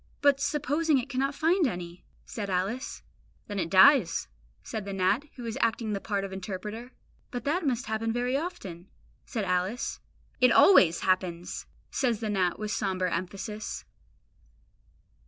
"But supposing it cannot find any?" said Alice. "Then it dies," says the gnat, who is acting the part of interpreter. "But that must happen very often?" said Alice. "It ALWAYS happens!" says the gnat with sombre emphasis.